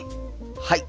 はい！